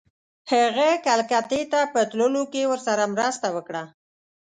هغه کلکتې ته په تللو کې ورسره مرسته وکړه.